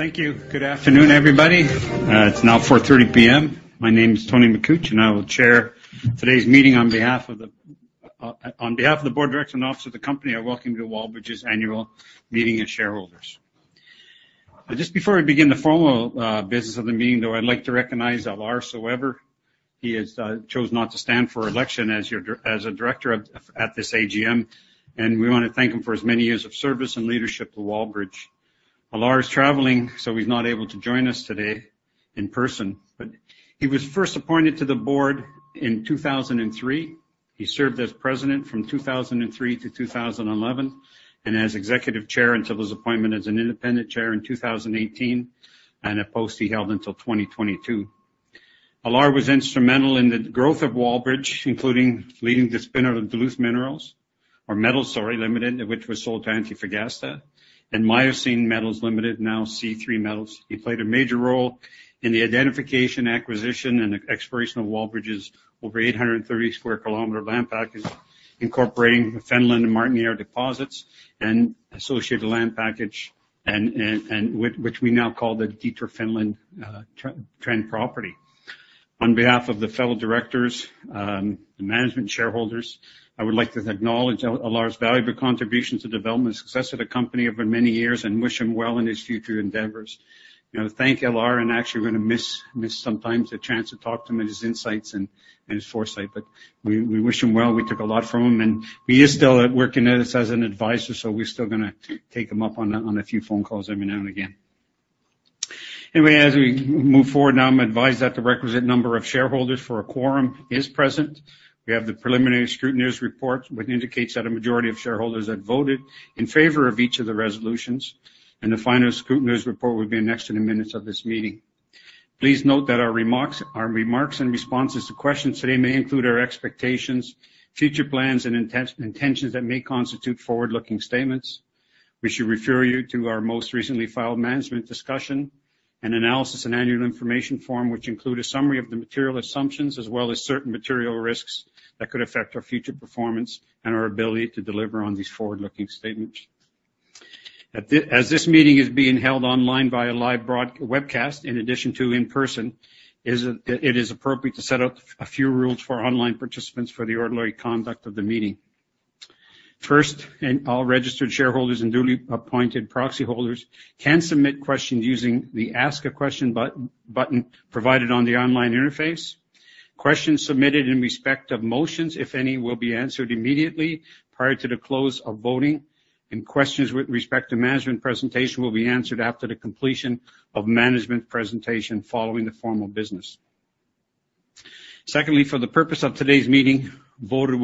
Thank you. Good afternoon, everybody. It's now 4:30 P.M. My name is Anthony Makuch, and I will chair today's meeting on behalf of the Board of Directors and Officers of the Company. I welcome you to Wallbridge's annual meeting of shareholders. Just before we begin the formal business of the meeting, though, I'd like to recognize Alar Soever. He has chosen not to stand for election as a director at this AGM, and we want to thank him for his many years of service and leadership to Wallbridge. Alar is traveling, so he's not able to join us today in person, but he was first appointed to the board in 2003. He served as president from 2003 to 2011 and as executive chair until his appointment as an independent chair in 2018, and a post he held until 2022. Alar was instrumental in the growth of Wallbridge, including leading the spin of Duluth Metals Limited, which was sold to Antofagasta, and Mosaic Metals Limited, now C3 Metals. He played a major role in the identification, acquisition, and exploration of Wallbridge's over 830 sq km land package, incorporating the Fenelon and Martinière deposits and associated land package, which we now call the Detour Fenelon Trend property. On behalf of the fellow directors, the management, shareholders, I would like to acknowledge Alar's valuable contributions to the development and success of the company over many years and wish him well in his future endeavors. Thank Alar, and actually, we're going to miss sometimes the chance to talk to him and his insights and his foresight, but we wish him well. We took a lot from him, and he is still working at us as an advisor, so we're still going to take him up on a few phone calls every now and again. Anyway, as we move forward now, I'm advised that the requisite number of shareholders for a quorum is present. We have the preliminary scrutineer's report, which indicates that a majority of shareholders had voted in favor of each of the resolutions, and the final scrutineer's report will be in the next few minutes of this meeting. Please note that our remarks and responses to questions today may include our expectations, future plans, and intentions that may constitute forward-looking statements. We should refer you to our most recently filed management's discussion and analysis and annual information form, which include a summary of the material assumptions as well as certain material risks that could affect our future performance and our ability to deliver on these forward-looking statements. As this meeting is being held online via live broadcast webcast, in addition to in person, it is appropriate to set up a few rules for online participants for the ordinary conduct of the meeting. First, all registered shareholders and duly appointed proxy holders can submit questions using the Ask a Question button provided on the online interface. Questions submitted in respect of motions, if any, will be answered immediately prior to the close of voting, and questions with respect to management presentation will be answered after the completion of management presentation following the formal business. Secondly, for the purpose of today's meeting, voting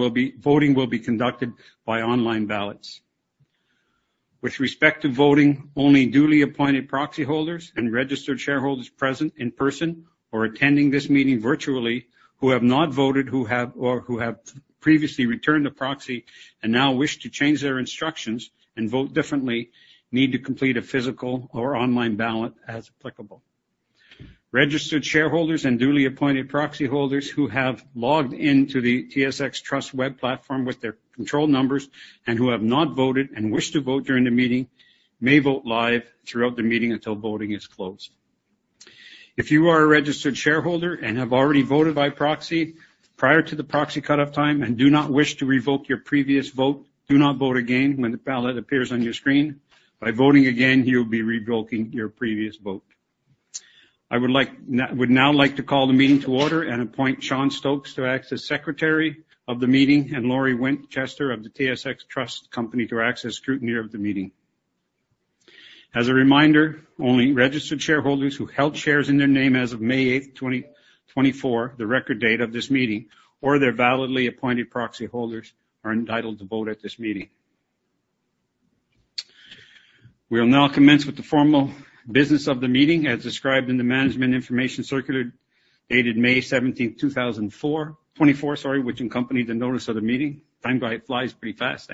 will be conducted by online ballots. With respect to voting, only duly appointed proxy holders and registered shareholders present in person or attending this meeting virtually who have not voted or who have previously returned a proxy and now wish to change their instructions and vote differently need to complete a physical or online ballot as applicable. Registered shareholders and duly appointed proxy holders who have logged into the TSX Trust web platform with their control numbers and who have not voted and wish to vote during the meeting may vote live throughout the meeting until voting is closed. If you are a registered shareholder and have already voted by proxy prior to the proxy cutoff time and do not wish to revoke your previous vote, do not vote again when the ballot appears on your screen. By voting again, you'll be revoking your previous vote. I would now like to call the meeting to order and appoint Sean Stokes to act as secretary of the meeting and Laurie Winchester of the TSX Trust Company to act as scrutineer of the meeting. As a reminder, only registered shareholders who held shares in their name as of May 8th, 2024, the record date of this meeting, or their validly appointed proxy holders, are entitled to vote at this meeting. We will now commence with the formal business of the meeting as described in the management information circular dated May 17th, 2024, which accompanied the notice of the meeting. Time flies pretty fast.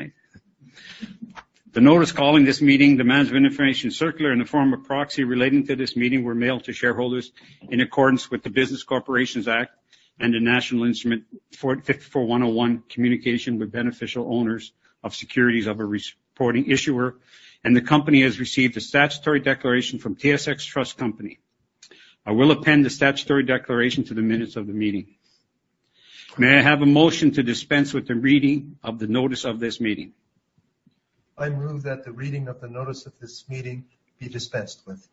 The notice calling this meeting, the management information circular, and the form of proxy relating to this meeting were mailed to shareholders in accordance with the Business Corporations Act and the National Instrument 54-101 Communication with Beneficial Owners of Securities of a Reporting Issuer, and the company has received a statutory declaration from TSX Trust Company. I will append the statutory declaration to the minutes of the meeting. May I have a motion to dispense with the reading of the notice of this meeting? I move that the reading of the notice of this meeting be dispensed with.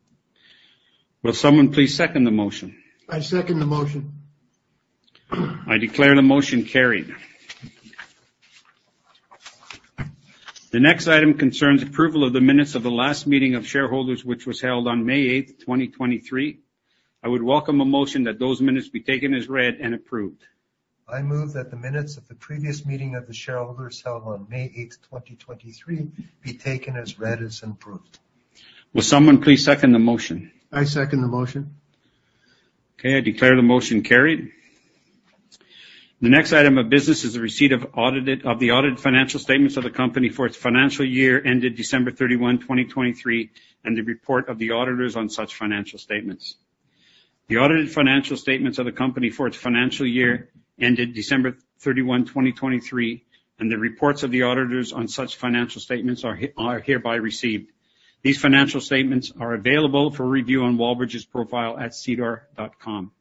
Will someone please second the motion? I second the motion. I declare the motion carried. The next item concerns approval of the minutes of the last meeting of shareholders, which was held on May 8th, 2023. I would welcome a motion that those minutes be taken as read and approved. I move that the minutes of the previous meeting of the shareholders held on May 8th, 2023, be taken as read as approved. Will someone please second the motion? I second the motion. Okay. I declare the motion carried. The next item of business is the receipt of the audited financial statements of the company for its financial year ended December 31, 2023, and the report of the auditors on such financial statements. The audited financial statements of the company for its financial year ended December 31, 2023, and the reports of the auditors on such financial statements are hereby received. These financial statements are available for review on Wallbridge's profile@ SEDAR.com.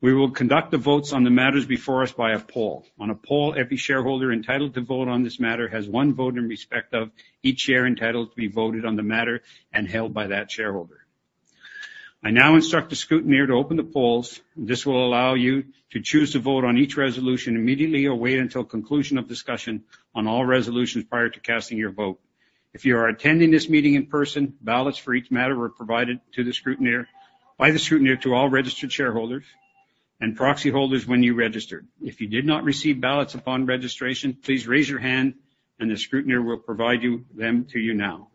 We will conduct the votes on the matters before us by a poll. On a poll, every shareholder entitled to vote on this matter has one vote in respect of each share entitled to be voted on the matter and held by that shareholder. I now instruct the scrutineer to open the polls. This will allow you to choose to vote on each resolution immediately or wait until conclusion of discussion on all resolutions prior to casting your vote. If you are attending this meeting in person, ballots for each matter were provided to the scrutineer by the scrutineer to all registered shareholders and proxy holders when you registered. If you did not receive ballots upon registration, please raise your hand, and the scrutineer will provide them to you now.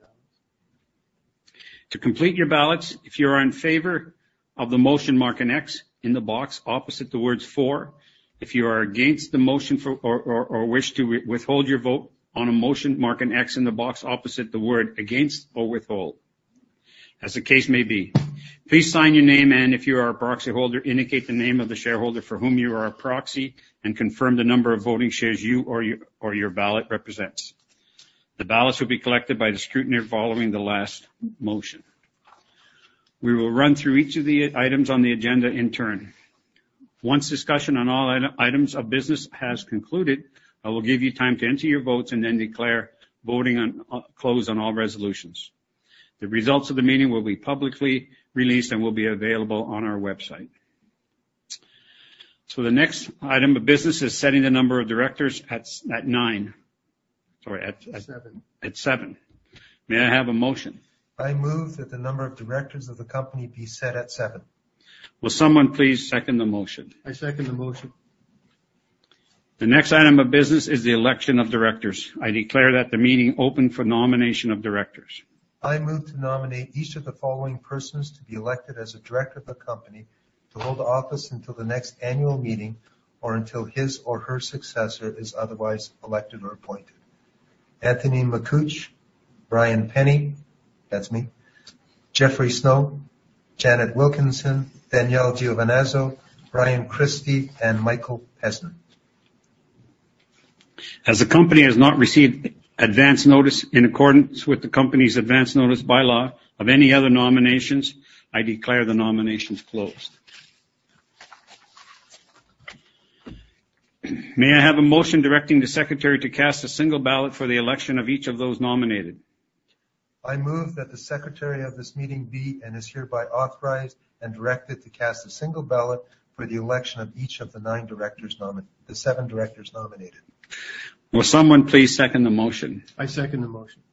To complete your ballots, if you are in favor of the motion, mark an X in the box opposite the words for, if you are against the motion or wish to withhold your vote on a motion, mark an X in the box opposite the word against or withhold, as the case may be. Please sign your name, and if you are a proxy holder, indicate the name of the shareholder for whom you are a proxy and confirm the number of voting shares you or your ballot represents. The ballots will be collected by the scrutineer following the last motion. We will run through each of the items on the agenda in turn. Once discussion on all items of business has concluded, I will give you time to enter your votes and then declare voting closed on all resolutions. The results of the meeting will be publicly released and will be available on our website. So the next item of business is setting the number of directors at nine. Sorry, at seven. At seven. May I have a motion? I move that the number of directors of the company be set at seven. Will someone please second the motion? I second the motion. The next item of business is the election of directors. I declare the meeting open for nomination of directors. I move to nominate each of the following persons to be elected as a director of the company to hold office until the next annual meeting or until his or her successor is otherwise elected or appointed: Anthony McCooch, Brian Penny, that's me, Jeffrey Snow, Janet Wilkinson, Danielle Giovenazzo, Brian Christie, and Michael Pesner. As the company has not received advance notice in accordance with the company's advance notice by-law of any other nominations, I declare the nominations closed. May I have a motion directing the secretary to cast a single ballot for the election of each of those nominated? I move that the secretary of this meeting be and is hereby authorized and directed to cast a single ballot for the election of each of the nine directors, the seven directors nominated. Will someone please second the motion? I second the motion.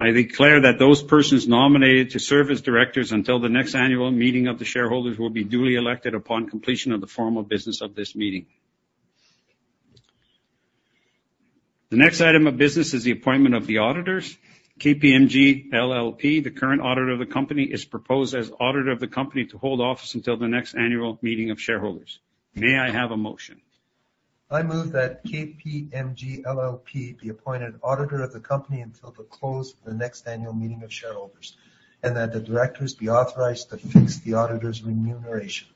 I declare that those persons nominated to serve as directors until the next annual meeting of the shareholders will be duly elected upon completion of the formal business of this meeting. The next item of business is the appointment of the auditors. KPMG LLP, the current auditor of the company, is proposed as auditor of the company to hold office until the next annual meeting of shareholders. May I have a motion? I move that KPMG LLP be appointed auditor of the company until the close of the next annual meeting of shareholders and that the directors be authorized to fix the auditor's remuneration.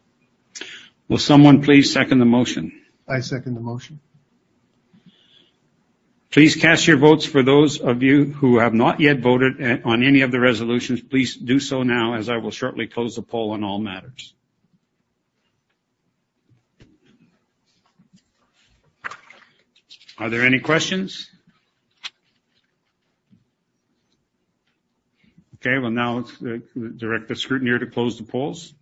Will someone please second the motion? I second the motion. Please cast your votes for those of you who have not yet voted on any of the resolutions. Please do so now, as I will shortly close the poll on all matters. Are there any questions? Okay. Well, now direct the scrutineer to close the polls.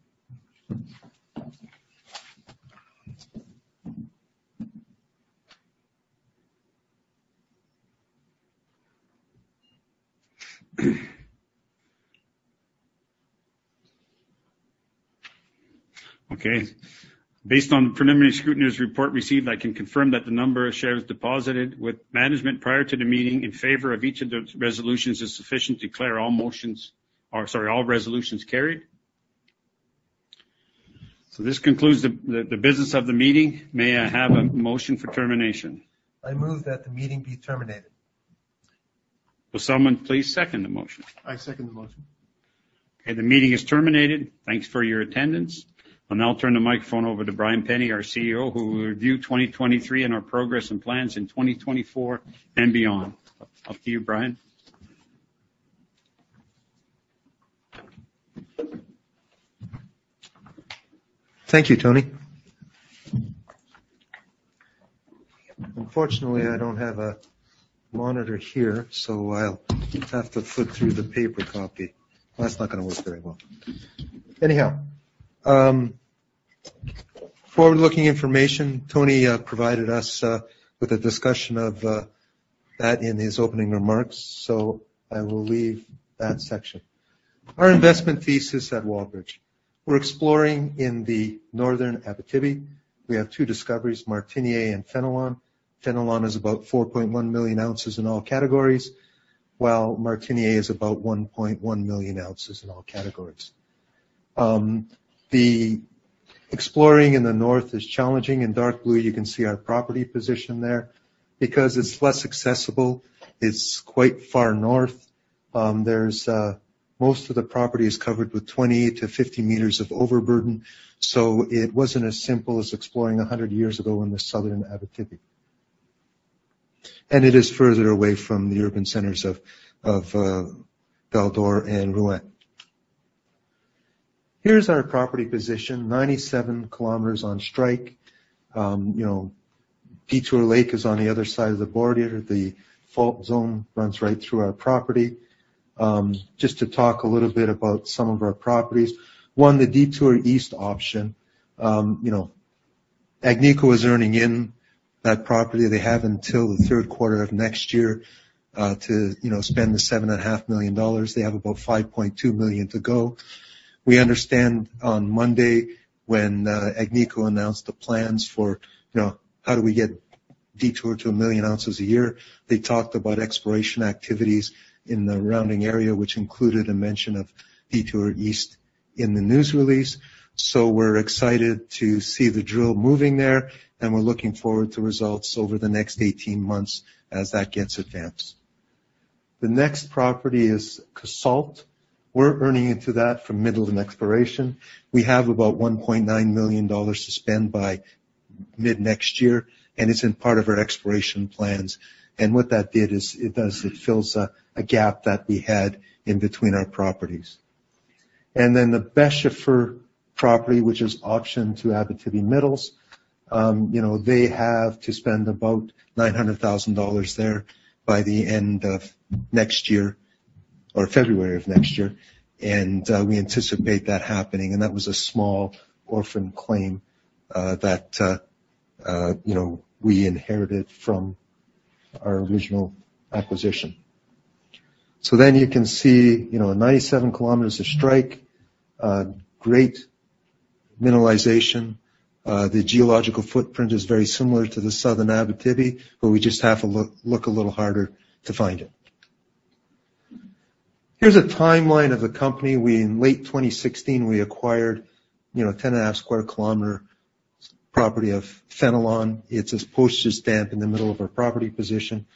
Okay. Based on the preliminary scrutineer's report received, I can confirm that the number of shares deposited with management prior to the meeting in favor of each of the resolutions is sufficient to declare all motions or, sorry, all resolutions carried. So this concludes the business of the meeting. May I have a motion for termination? I move that the meeting be terminated. Will someone please second the motion? I second the motion. Okay. The meeting is terminated. Thanks for your attendance. I'll now turn the microphone over to Brian Penny, our CEO, who will review 2023 and our progress and plans in 2024 and beyond. Up to you, Brian. Thank you, Tony. Unfortunately, I don't have a monitor here, so I'll have to flip through the paper copy. That's not going to work very well. Anyhow, forward-looking information, Tony provided us with a discussion of that in his opening remarks, so I will leave that section. Our investment thesis at Wallbridge. We're exploring in the northern Abitibi. We have two discoveries, Martinière and Fenelon. Fenelon is about 4.1 million ounces in all categories, while Martinière is about 1.1 million ounces in all categories. The exploring in the north is challenging. In dark blue, you can see our property position there. Because it's less accessible, it's quite far north. Most of the property is covered with 20-50 meters of overburden, so it wasn't as simple as exploring 100 years ago in the southern Abitibi. And it is further away from the urban centers of Val-d’Or and Rouyn-Noranda. Here's our property position, 97 km on strike. Detour Lake is on the other side of the border. The fault zone runs right through our property. Just to talk a little bit about some of our properties. One, the Detour East option. Agnico is earning in that property. They have until the third quarter of next year to spend 7.5 million dollars. They have about 5.2 million to go. We understand on Monday when Agnico announced the plans for how do we get Detour to 1 million ounces a year, they talked about exploration activities in the surrounding area, which included a mention of Detour East in the news release. So we're excited to see the drill moving there, and we're looking forward to results over the next 18 months as that gets advanced. The next property is Casault. We're earning into that from middle of an exploration. We have about 1.9 million dollars to spend by mid-next year, and it's in part of our exploration plans. What that did is it fills a gap that we had in between our properties. Then the Beschefer property, which is option to Abitibi Metals, they have to spend about 900,000 dollars there by the end of next year or February of next year. We anticipate that happening. That was a small orphan claim that we inherited from our original acquisition. You can see 97 km of strike, great mineralization. The geological footprint is very similar to the southern Abitibi, but we just have to look a little harder to find it. Here's a timeline of the company. In late 2016, we acquired 10.5 square kilometer property of Fenelon. It's a postage stamp in the middle of our property position,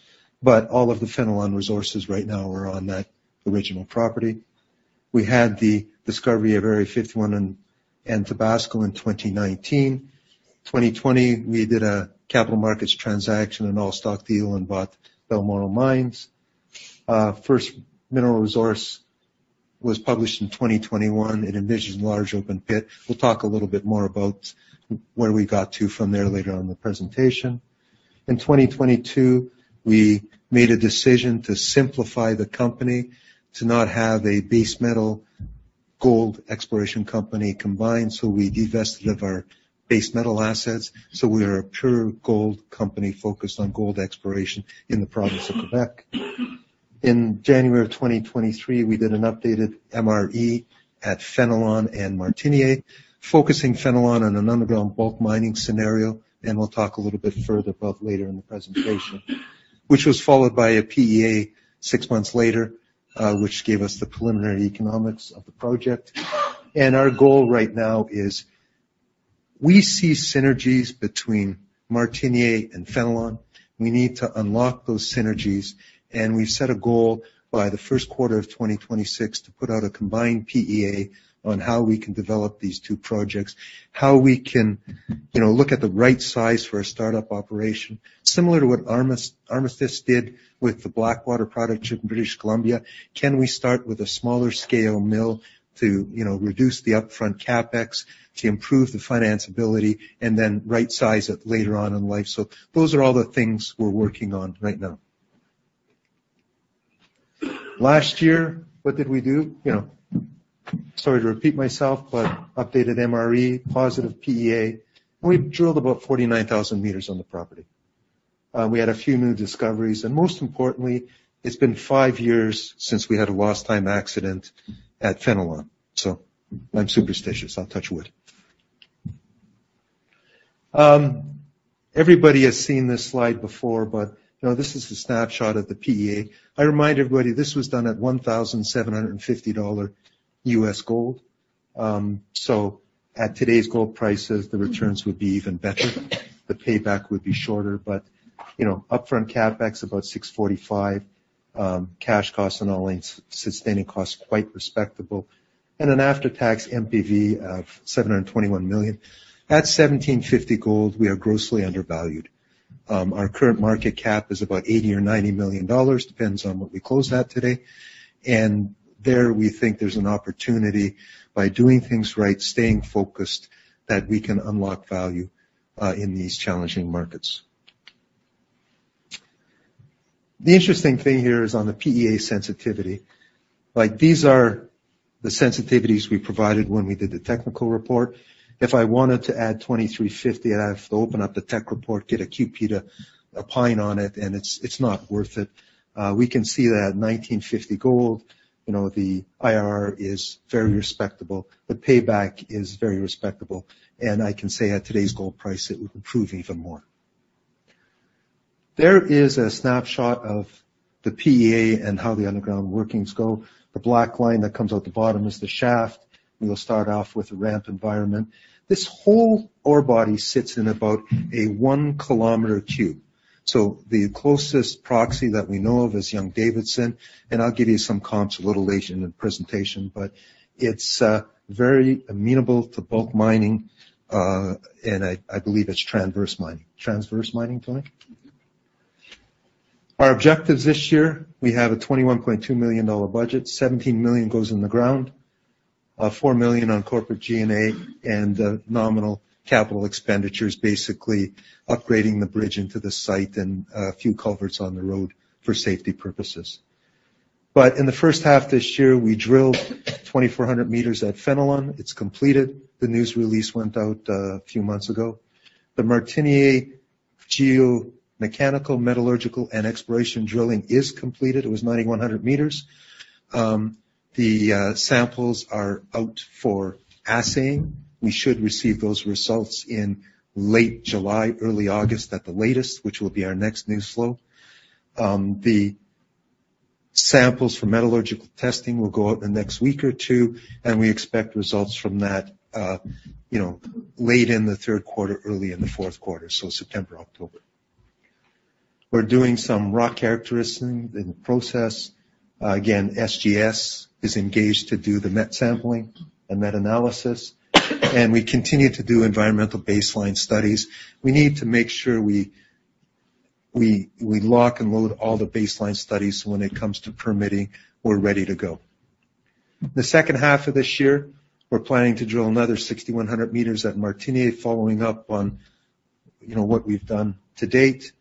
but all of the Fenelon resources right now are on that original property. We had the discovery of Area 51 and Tabasco in 2019. In 2020, we did a capital markets transaction and all-stock deal and bought Balmoral Resources. First mineral resource was published in 2021. It envisioned large open pit. We'll talk a little bit more about where we got to from there later on in the presentation. In 2022, we made a decision to simplify the company to not have a base metal gold exploration company combined, so we divested of our base metal assets. We are a pure gold company focused on gold exploration in the province of Québec. In January of 2023, we did an updated MRE at Fenelon and Martinière, focusing Fenelon on an underground bulk mining scenario, and we'll talk a little bit further about later in the presentation, which was followed by a PEA six months later, which gave us the preliminary economics of the project. Our goal right now is we see synergies between Martinière and Fenelon. We need to unlock those synergies, and we've set a goal by the first quarter of 2026 to put out a combined PEA on how we can develop these two projects, how we can look at the right size for a startup operation, similar to what Artemis did with the Blackwater Project in British Columbia. Can we start with a smaller scale mill to reduce the upfront CapEx, to improve the financeability, and then right-size it later on in life? So those are all the things we're working on right now. Last year, what did we do? Sorry to repeat myself, but updated MRE, positive PEA. We drilled about 49,000 meters on the property. We had a few new discoveries. And most importantly, it's been five years since we had a lost time accident at Fenelon. So I'm superstitious. I'll touch wood. Everybody has seen this slide before, but this is a snapshot of the PEA. I remind everybody this was done at $1,750 US gold. So at today's gold prices, the returns would be even better. The payback would be shorter, but upfront CapEx about $645 million, cash costs and all sustaining costs quite respectable. And an after-tax NPV of $721 million. At $1,750 gold, we are grossly undervalued. Our current market cap is about $80 million or $90 million. Depends on what we close at today. There we think there's an opportunity by doing things right, staying focused, that we can unlock value in these challenging markets. The interesting thing here is on the PEA sensitivity. These are the sensitivities we provided when we did the technical report. If I wanted to add $2,350, I have to open up the tech report, get a QP to opine on it, and it's not worth it. We can see that $1,950 gold, the IRR is very respectable. The payback is very respectable. And I can say at today's gold price, it would improve even more. There is a snapshot of the PEA and how the underground workings go. The black line that comes out the bottom is the shaft. We'll start off with a ramp environment. This whole ore body sits in about a 1-kilometer cube. So the closest proxy that we know of is Young-Davidson. And I'll give you some comps a little later in the presentation, but it's very amenable to bulk mining, and I believe it's transverse mining. Transverse mining, Tony? Our objectives this year, we have a 21.2 million dollar budget. 17 million goes in the ground, 4 million on corporate G&A, and nominal capital expenditures, basically upgrading the bridge into the site and a few culverts on the road for safety purposes. But in the first half this year, we drilled 2,400 meters at Fenelon. It's completed. The news release went out a few months ago. The Martinière geomechanical, metallurgical, and exploration drilling is completed. It was 9,100 meters. The samples are out for assaying. We should receive those results in late July, early August at the latest, which will be our next news flow. The samples for metallurgical testing will go out in the next week or two, and we expect results from that late in the third quarter, early in the fourth quarter, so September, October. We're doing some rock characterizing in the process. Again, SGS is engaged to do the met sampling and met analysis. We continue to do environmental baseline studies. We need to make sure we lock and load all the baseline studies when it comes to permitting. We're ready to go. The second half of this year, we're planning to drill another 6,100 meters at Martinière, following up on what we've done to date.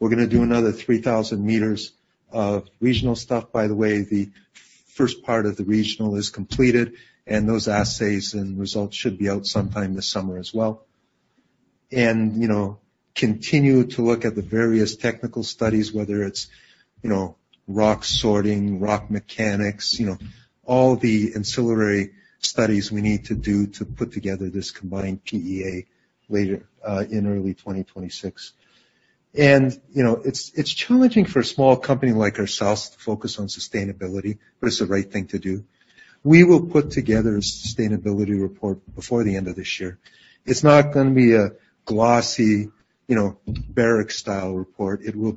We're going to do another 3,000 meters of regional stuff. By the way, the first part of the regional is completed, and those assays and results should be out sometime this summer as well. Continue to look at the various technical studies, whether it's rock sorting, rock mechanics, all the ancillary studies we need to do to put together this combined PEA later in early 2026. And it's challenging for a small company like ourselves to focus on sustainability, but it's the right thing to do. We will put together a sustainability report before the end of this year. It's not going to be a glossy Barrick-style report. It will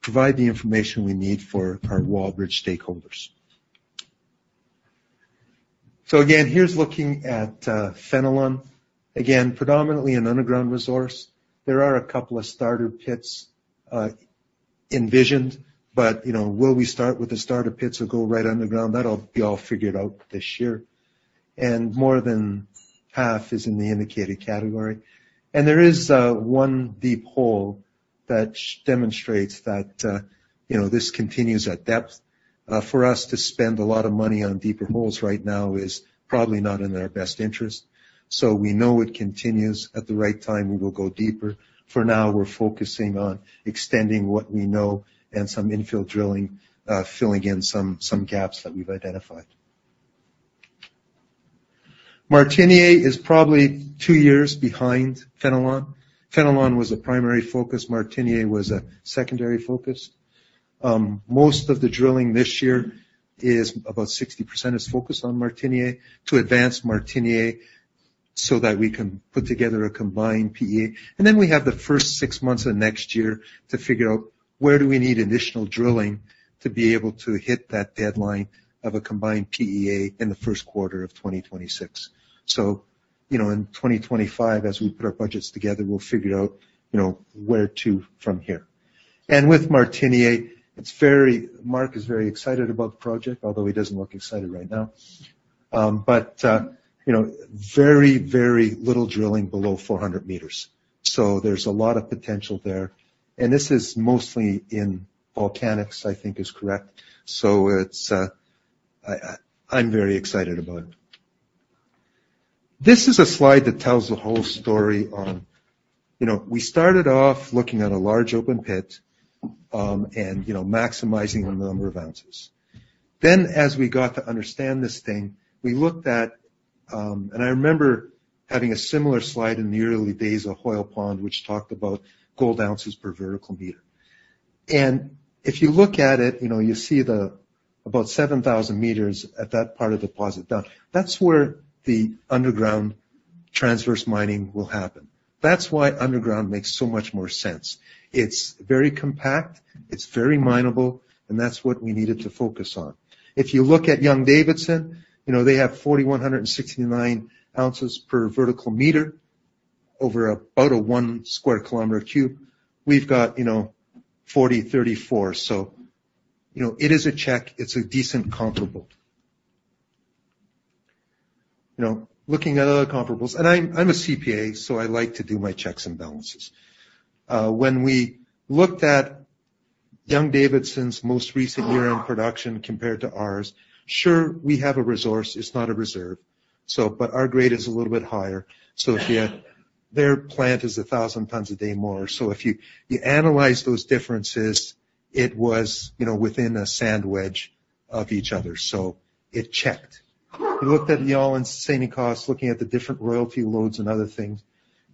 provide the information we need for our Wallbridge stakeholders. So again, here's looking at Fenelon. Again, predominantly an underground resource. There are a couple of starter pits envisioned, but will we start with the starter pits or go right underground? That'll be all figured out this year. And more than half is in the indicated category. And there is one deep hole that demonstrates that this continues at depth. For us to spend a lot of money on deeper holes right now is probably not in our best interest. So we know it continues. At the right time, we will go deeper. For now, we're focusing on extending what we know and some infill drilling, filling in some gaps that we've identified. Martinière is probably two years behind Fenelon. Fenelon was a primary focus. Martinière was a secondary focus. Most of the drilling this year is about 60% focused on Martinière to advance Martinière so that we can put together a combined PEA. And then we have the first six months of next year to figure out where do we need additional drilling to be able to hit that deadline of a combined PEA in the first quarter of 2026. So in 2025, as we put our budgets together, we'll figure out where to from here. With Martinière, Marc is very excited about the project, although he doesn't look excited right now. Very, very little drilling below 400 meters. There's a lot of potential there. This is mostly in volcanics, I think is correct. I'm very excited about it. This is a slide that tells the whole story on we started off looking at a large open pit and maximizing the number of ounces. Then as we got to understand this thing, we looked at, and I remember having a similar slide in the early days of Hoyle Pond, which talked about gold ounces per vertical meter. And if you look at it, you see about 7,000 meters at that part of the deposit down. That's where the underground transverse mining will happen. That's why underground makes so much more sense. It's very compact. It's very minable. That's what we needed to focus on. If you look at Young-Davidson, they have 4,169 ounces per vertical meter over about a 1-square-kilometer cube. We've got 4,034. So it is a check. It's a decent comparable. Looking at other comparables, and I'm a CPA, so I like to do my checks and balances. When we looked at Young-Davidson's most recent year-end production compared to ours, sure, we have a resource. It's not a reserve, but our grade is a little bit higher. So their plant is 1,000 tons a day more. So if you analyze those differences, it was within a sand wedge of each other. So it checked. We looked at the all-in sustaining costs, looking at the different royalty loads and other things.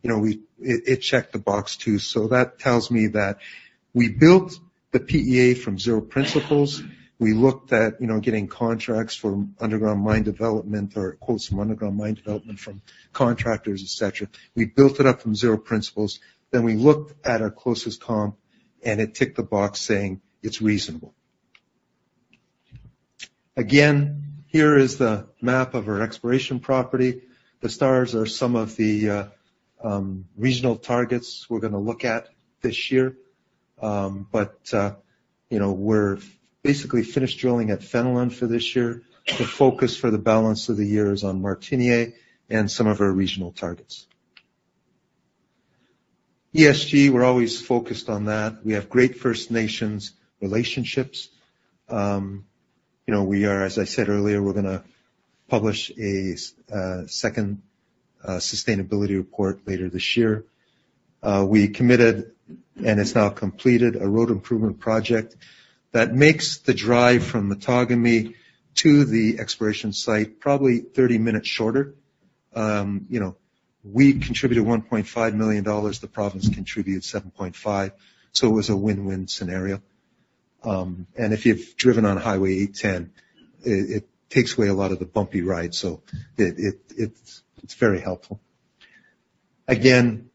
It checked the box too. So that tells me that we built the PEA from zero principles. We looked at getting contracts for underground mine development or quotes from underground mine development from contractors, etc. We built it up from zero principles. Then we looked at our closest comp, and it ticked the box saying it's reasonable. Again, here is the map of our exploration property. The stars are some of the regional targets we're going to look at this year. But we're basically finished drilling at Fenelon for this year. The focus for the balance of the year is on Martinière and some of our regional targets. ESG, we're always focused on that. We have great First Nations relationships. As I said earlier, we're going to publish a second sustainability report later this year. We committed, and it's now completed, a road improvement project that makes the drive from Matagami to the exploration site probably 30 minutes shorter. We contributed 1.5 million dollars. The province contributed 7.5 million. So it was a win-win scenario. If you've driven on Highway 810, it takes away a lot of the bumpy rides. So it's very helpful. Again,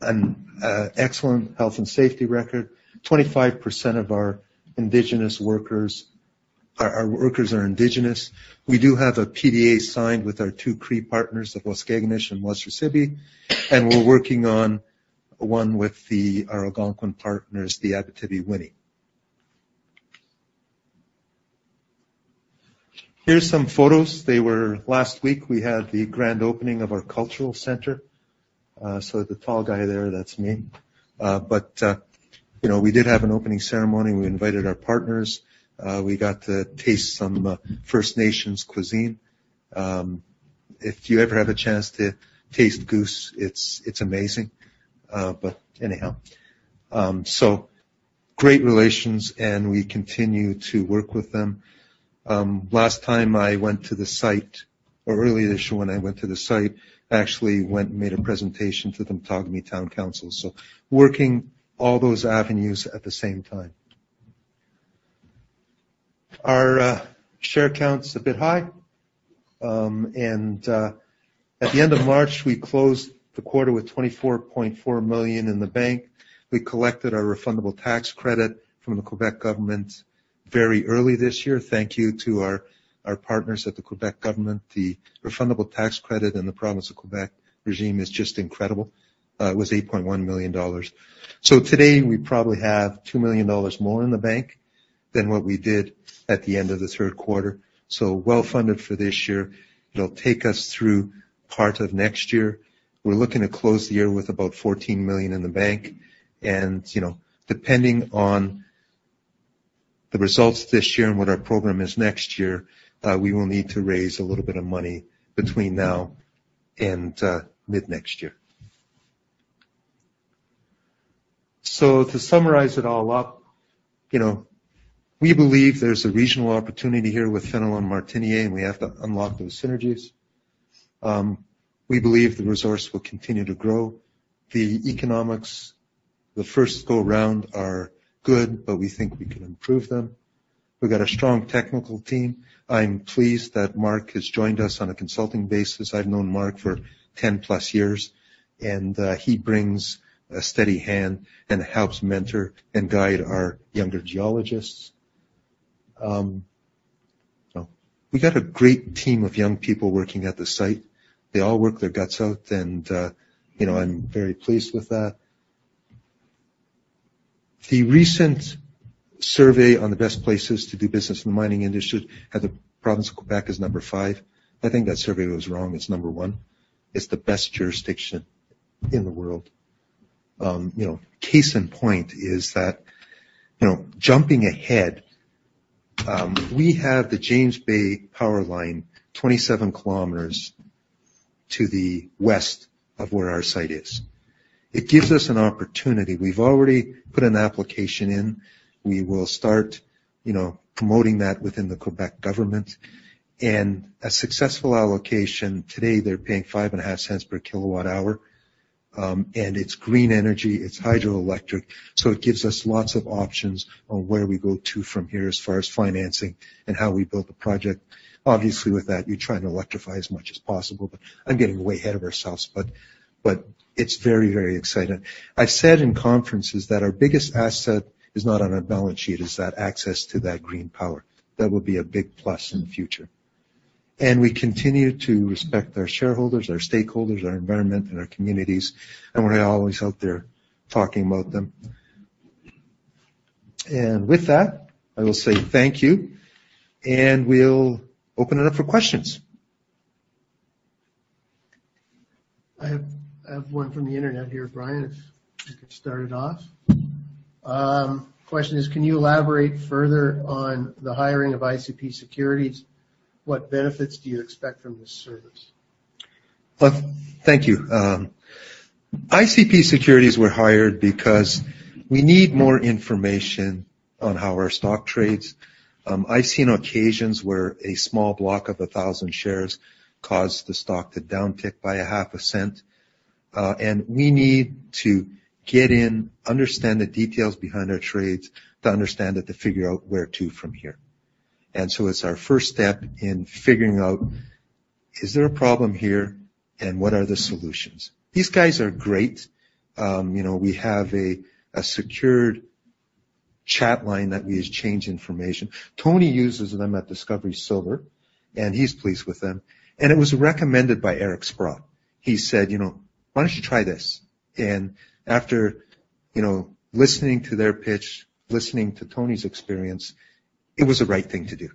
an excellent health and safety record. 25% of our indigenous workers are indigenous. We do have a PDA signed with our two Cree partners, the Waskaganish and Waswanipi. We're working on one with our Algonquin partners, the Abitibiwinni. Here's some photos. Last week, we had the grand opening of our cultural center. So the tall guy there, that's me. But we did have an opening ceremony. We invited our partners. We got to taste some First Nations cuisine. If you ever have a chance to taste goose, it's amazing. But anyhow, so great relations, and we continue to work with them. Last time I went to the site, or earlier this year when I went to the site, I actually went and made a presentation to the Matagami Town Council. So working all those avenues at the same time. Our share count's a bit high. At the end of March, we closed the quarter with 24.4 million in the bank. We collected our refundable tax credit from the Québec government very early this year. Thank you to our partners at the Québec government. The refundable tax credit in the province of Québec regime is just incredible. It was 8.1 million dollars. So today, we probably have 2 million dollars more in the bank than what we did at the end of the third quarter. So well funded for this year. It'll take us through part of next year. We're looking to close the year with about 14 million in the bank. Depending on the results this year and what our program is next year, we will need to raise a little bit of money between now and mid-next year. So to summarize it all up, we believe there's a regional opportunity here with Fenelon Martinière, and we have to unlock those synergies. We believe the resource will continue to grow. The economics, the first go-round, are good, but we think we can improve them. We've got a strong technical team. I'm pleased that Mark has joined us on a consulting basis. I've known Mark for 10+ years, and he brings a steady hand and helps mentor and guide our younger geologists. We've got a great team of young people working at the site. They all work their guts out, and I'm very pleased with that. The recent survey on the best places to do business in the mining industry had the province of Québec as number 5. I think that survey was wrong. It's number 1. It's the best jurisdiction in the world. Case in point is that jumping ahead, we have the James Bay Power Line 27 km to the west of where our site is. It gives us an opportunity. We've already put an application in. We will start promoting that within the Québec government. And a successful allocation. Today, they're paying 0.055 per kWh. And it's green energy. It's hydroelectric. So it gives us lots of options on where we go to from here as far as financing and how we build the project. Obviously, with that, you're trying to electrify as much as possible. But I'm getting way ahead of ourselves. But it's very, very exciting. I've said in conferences that our biggest asset is not on our balance sheet. It's that access to that green power. That will be a big plus in the future. We continue to respect our shareholders, our stakeholders, our environment, and our communities. We're always out there talking about them. With that, I will say thank you. We'll open it up for questions. I have one from the internet here, Brian, if we could start it off. Question is, can you elaborate further on the hiring of ICP Securities? What benefits do you expect from this service? Thank you. ICP Securities were hired because we need more information on how our stock trades. I've seen occasions where a small block of 1,000 shares caused the stock to downtick by CAD 0.005. We need to get in, understand the details behind our trades, to understand it, to figure out where to from here. So it's our first step in figuring out, is there a problem here and what are the solutions? These guys are great. We have a secured chat line that we exchange information. Tony uses them at Discovery Silver, and he's pleased with them. It was recommended by Eric Sprott. He said, "Why don't you try this?" After listening to their pitch, listening to Tony's experience, it was the right thing to do.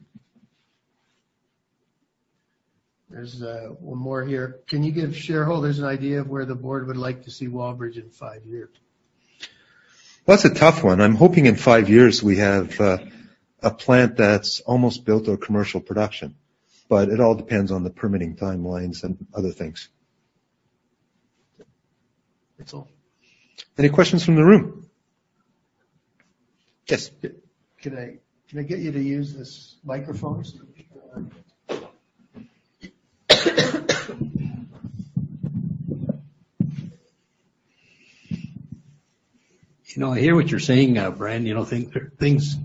There's one more here. Can you give shareholders an idea of where the board would like to see Wallbridge in five years? Well, that's a tough one. I'm hoping in five years we have a plant that's almost built to commercial production. But it all depends on the permitting timelines and other things. That's all. Any questions from the room? Yes. Can I get you to use this microphone? I hear what you're saying, Brand. Things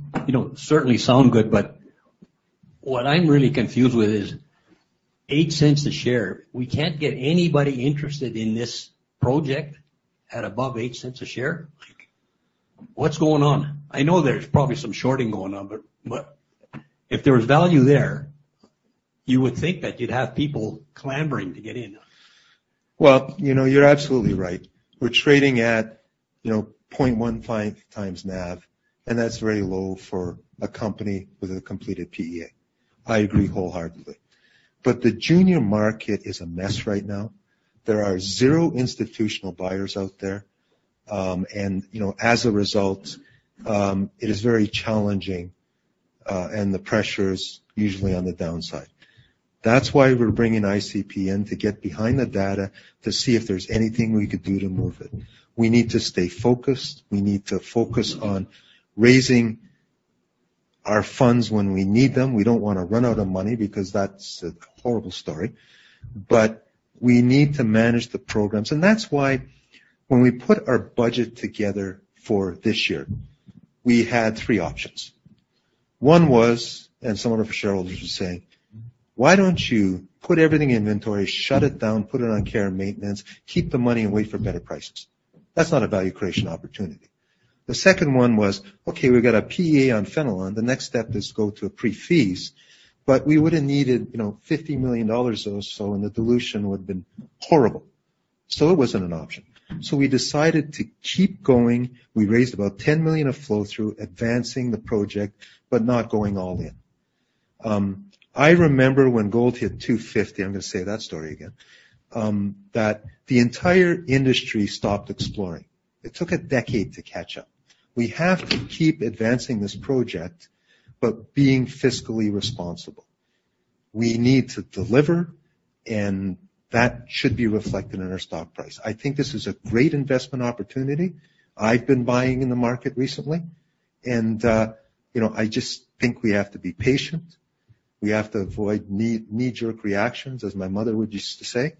certainly sound good, but what I'm really confused with is 0.08 per share. We can't get anybody interested in this project at above 0.08 per share. What's going on? I know there's probably some shorting going on, but if there was value there, you would think that you'd have people clambering to get in. Well, you're absolutely right. We're trading at 0.15x NAV, and that's very low for a company with a completed PEA. I agree wholeheartedly. But the junior market is a mess right now. There are 0 institutional buyers out there. And as a result, it is very challenging, and the pressure is usually on the downside. That's why we're bringing ICP in to get behind the data to see if there's anything we could do to move it. We need to stay focused. We need to focus on raising our funds when we need them. We don't want to run out of money because that's a horrible story. But we need to manage the programs. And that's why when we put our budget together for this year, we had three options. One was, and some of our shareholders were saying, "Why don't you put everything in inventory, shut it down, put it on care and maintenance, keep the money, and wait for better prices?" That's not a value creation opportunity. The second one was, "Okay, we've got a PEA on Fenelon. The next step is to go to a pre-feas." But we would have needed 50 million dollars or so, and the dilution would have been horrible. So it wasn't an option. So we decided to keep going. We raised about 10 million of flow-through, advancing the project, but not going all in. I remember when gold hit $250, I'm going to say that story again, that the entire industry stopped exploring. It took a decade to catch up. We have to keep advancing this project, but being fiscally responsible. We need to deliver, and that should be reflected in our stock price. I think this is a great investment opportunity. I've been buying in the market recently. And I just think we have to be patient. We have to avoid knee-jerk reactions, as my mother would used to say.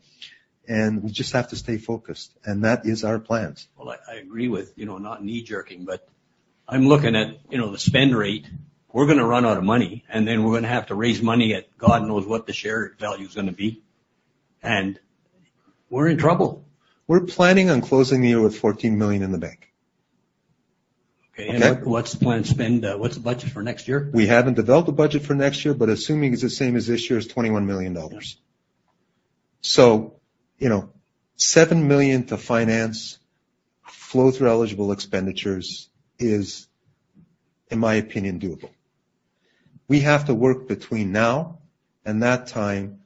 And we just have to stay focused. And that is our plan. Well, I agree with not knee-jerking, but I'm looking at the spend rate. We're going to run out of money, and then we're going to have to raise money at God knows what the share value is going to be. And we're in trouble. We're planning on closing the year with 14 million in the bank. Okay. What's the planned spend? What's the budget for next year? We haven't developed a budget for next year, but assuming it's the same as this year is 21 million dollars. So 7 million to finance flow-through eligible expenditures is, in my opinion, doable. We have to work between now and that time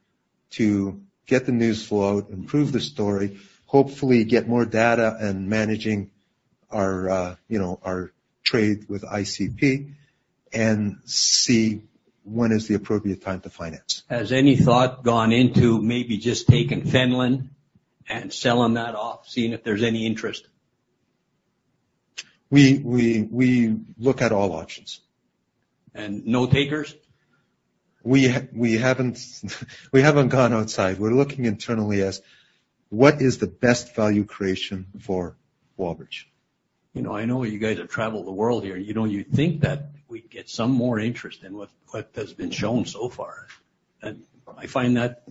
to get the news flow out, improve the story, hopefully get more data and managing our trade with ICP, and see when is the appropriate time to finance. Has any thought gone into maybe just taking Fenelon and selling that off, seeing if there's any interest? We look at all options. And no takers? We haven't gone outside. We're looking internally as what is the best value creation for Wallbridge? I know you guys have traveled the world here. You think that we'd get some more interest than what has been shown so far. I find it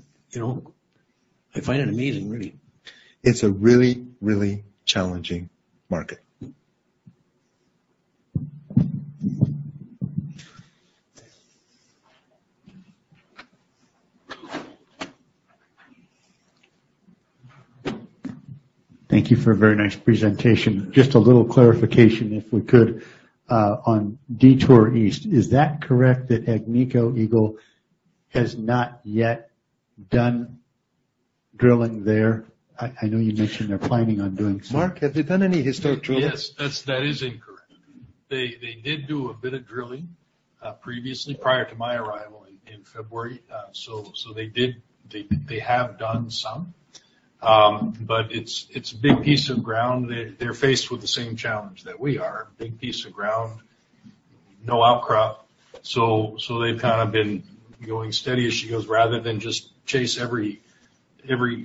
amazing, really. It's a really, really challenging market. Thank you for a very nice presentation. Just a little clarification, if we could, on Detour East. Is that correct that Agnico Eagle has not yet done drilling there? I know you mentioned they're planning on doing some. Mark, have they done any historic drilling? Yes, that is incorrect. They did do a bit of drilling previously prior to my arrival in February. So they have done some. But it's a big piece of ground. They're faced with the same challenge that we are. Big piece of ground, no outcrop. So they've kind of been going steady as she goes rather than just chase every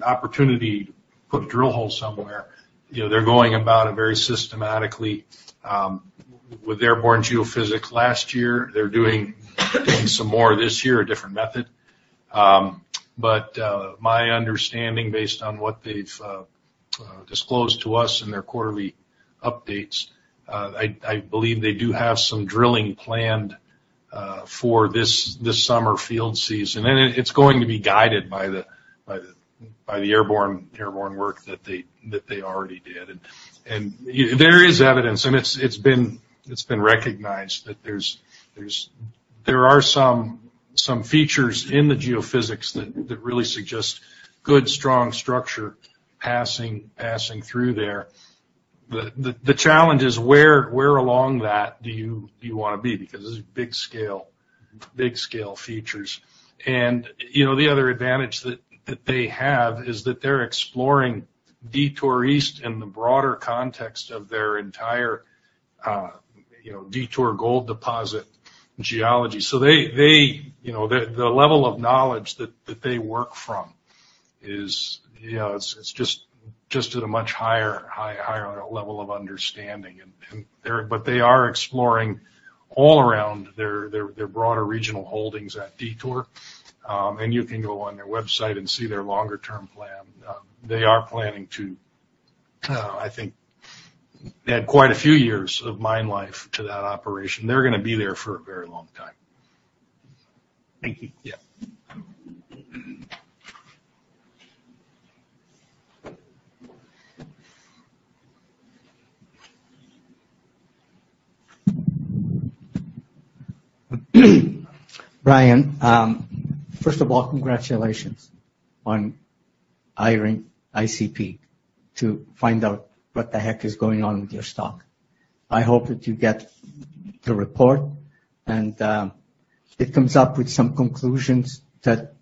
opportunity to put a drill hole somewhere. They're going about it very systematically with their airborne geophysics. Last year, they're doing some more this year, a different method. But my understanding, based on what they've disclosed to us in their quarterly updates, I believe they do have some drilling planned for this summer field season. And it's going to be guided by the airborne work that they already did. And there is evidence, and it's been recognized that there are some features in the geophysics that really suggest good, strong structure passing through there. The challenge is where along that do you want to be? Because this is big-scale features. And the other advantage that they have is that they're exploring Detour East in the broader context of their entire Detour Gold Deposit geology. So the level of knowledge that they work from is just at a much higher level of understanding. But they are exploring all around their broader regional holdings at Detour. And you can go on their website and see their longer-term plan. They are planning to, I think, add quite a few years of mine life to that operation. They're going to be there for a very long time. Thank you. Yeah. Brian, first of all, congratulations on hiring ICP to find out what the heck is going on with your stock. I hope that you get the report, and it comes up with some conclusions that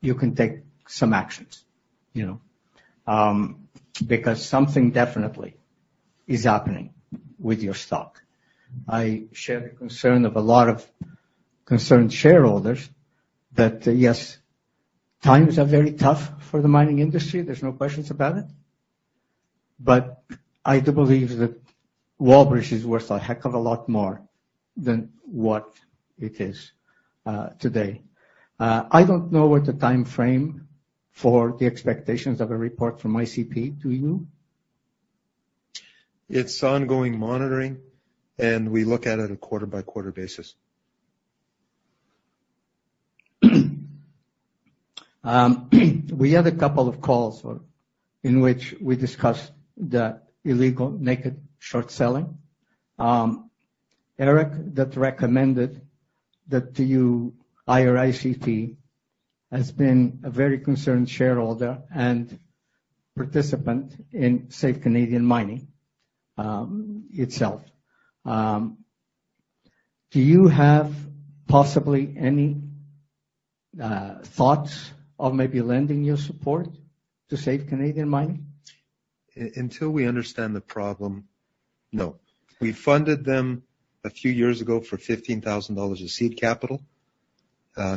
you can take some actions because something definitely is happening with your stock. I share the concern of a lot of concerned shareholders that, yes, times are very tough for the mining industry. There's no questions about it. But I do believe that Wallbridge is worth a heck of a lot more than what it is today. I don't know what the time frame for the expectations of a report from ICP to you. It's ongoing monitoring, and we look at it on a quarter-by-quarter basis. We had a couple of calls in which we discussed the illegal naked short selling. Eric, that recommended that you hire ICP has been a very concerned shareholder and participant in Save Canadian Mining itself. Do you have possibly any thoughts of maybe lending your support to Save Canadian Mining? Until we understand the problem, no. We funded them a few years ago for $15,000 of seed capital.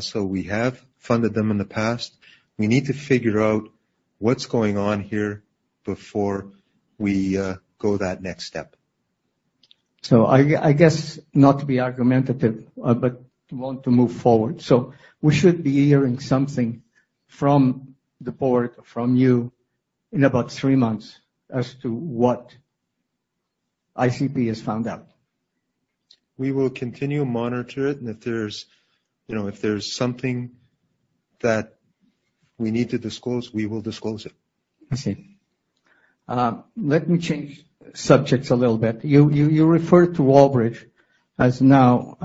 So we have funded them in the past. We need to figure out what's going on here before we go that next step. I guess not to be argumentative, but want to move forward. We should be hearing something from the board, from you, in about three months as to what ICP has found out. We will continue to monitor it. If there's something that we need to disclose, we will disclose it. I see. Let me change subjects a little bit. You referred to Wallbridge as now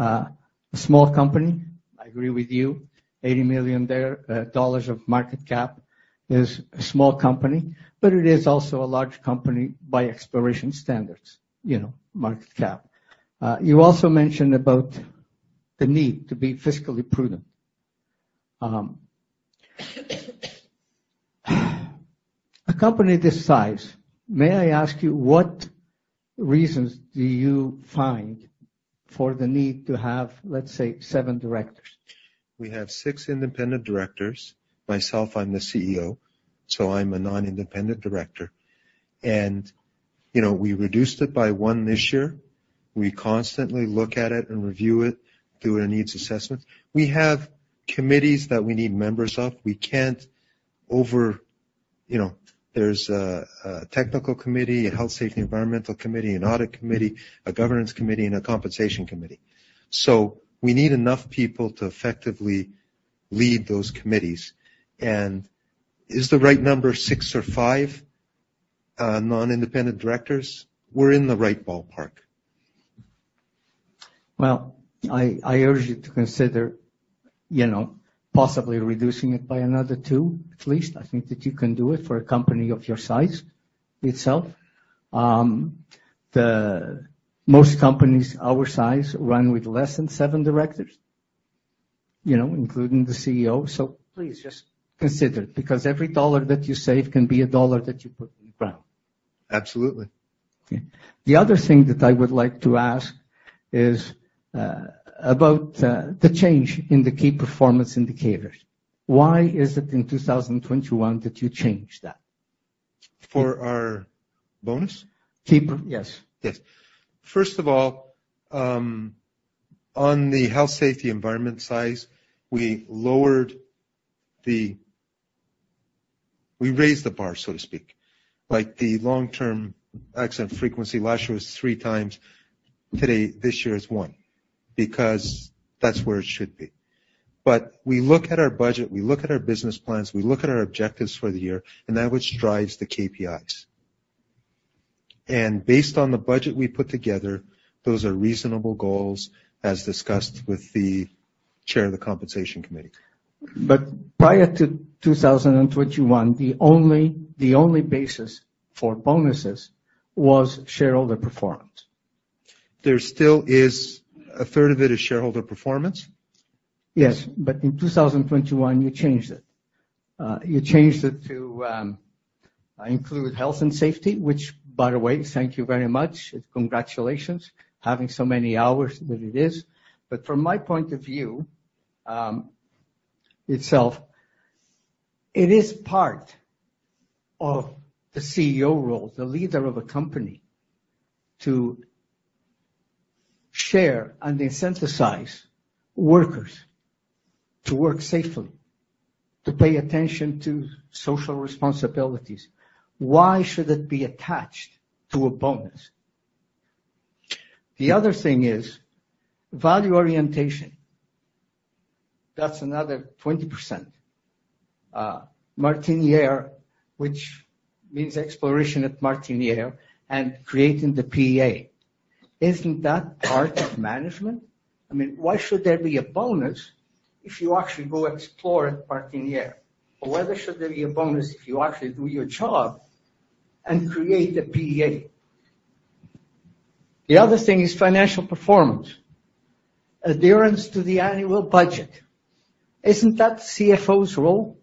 a small company. I agree with you. 80 million dollars of market cap is a small company, but it is also a large company by exploration standards, market cap. You also mentioned about the need to be fiscally prudent. A company this size, may I ask you what reasons do you find for the need to have, let's say, seven directors? We have six independent directors. Myself, I'm the CEO, so I'm a non-independent director. We reduced it by one this year. We constantly look at it and review it, do a needs assessment. We have committees that we need members of. We can't over, there's a technical committee, a health, safety, environmental committee, an audit committee, a governance committee, and a compensation committee. So we need enough people to effectively lead those committees. Is the right number six or five non-independent directors? We're in the right ballpark. Well, I urge you to consider possibly reducing it by another two, at least. I think that you can do it for a company of your size itself. Most companies our size run with less than seven directors, including the CEO. So please just consider it because every dollar that you save can be a dollar that you put in the ground. Absolutely. The other thing that I would like to ask is about the change in the key performance indicators. Why is it in 2021 that you changed that? For our bonus? Yes. Yes. First of all, on the health, safety, environment side, we raised the bar, so to speak. The long-term accident frequency last year was 3 times. Today, this year is 1 because that's where it should be. But we look at our budget, we look at our business plans, we look at our objectives for the year, and that's what drives the KPIs. And based on the budget we put together, those are reasonable goals as discussed with the chair of the compensation committee. Prior to 2021, the only basis for bonuses was shareholder performance. There still is a third of it is shareholder performance. Yes. But in 2021, you changed it. You changed it to include health and safety, which, by the way, thank you very much. Congratulations on having so many hours that it is. But from my point of view itself, it is part of the CEO role, the leader of a company, to share and incentivize workers to work safely, to pay attention to social responsibilities. Why should it be attached to a bonus? The other thing is value orientation. That's another 20%. Martinière, which means exploration at Martinière and creating the PEA. Isn't that part of management? I mean, why should there be a bonus if you actually go explore at Martinière? Or why should there be a bonus if you actually do your job and create a PEA? The other thing is financial performance, adherence to the annual budget. Isn't that CFO's role?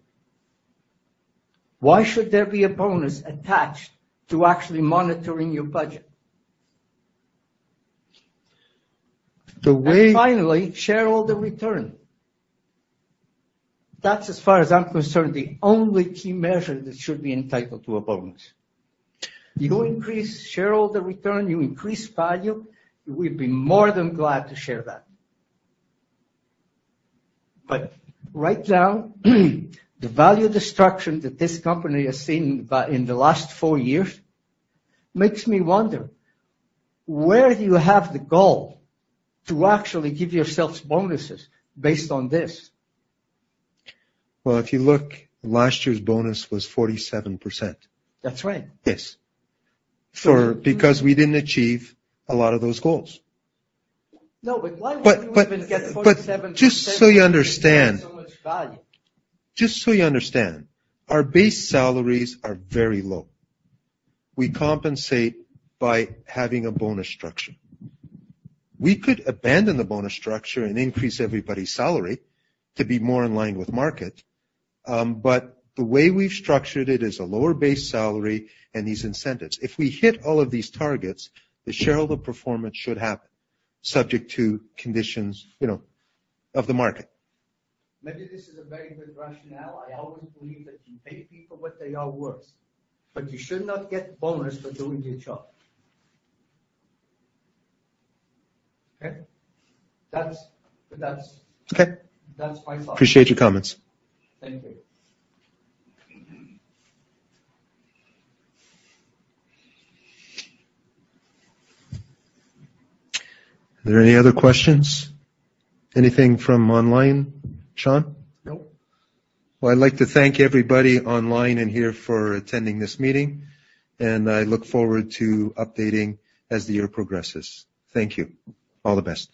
Why should there be a bonus attached to actually monitoring your budget? The way. And finally, shareholder return. That's, as far as I'm concerned, the only key measure that should be entitled to a bonus. You increase shareholder return, you increase value, we'd be more than glad to share that. But right now, the value destruction that this company has seen in the last four years makes me wonder, where do you have the goal to actually give yourselves bonuses based on this? Well, if you look, last year's bonus was 47%. That's right. Yes. Because we didn't achieve a lot of those goals. No, but why would you even get 47%? Just so you understand. So much value. Just so you understand, our base salaries are very low. We compensate by having a bonus structure. We could abandon the bonus structure and increase everybody's salary to be more in line with market. But the way we've structured it is a lower base salary and these incentives. If we hit all of these targets, the shareholder performance should happen, subject to conditions of the market. Maybe this is a very good rationale. I always believe that you pay people what they are worth, but you should not get bonus for doing your job. Okay? That's my thought. Okay. Appreciate your comments. Thank you. Are there any other questions? Anything from online, Sean? No. Well, I'd like to thank everybody online and here for attending this meeting. I look forward to updating as the year progresses. Thank you. All the best.